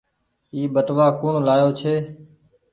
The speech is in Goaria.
اي ٻٽوآ ڪوڻ لآيو ڇي۔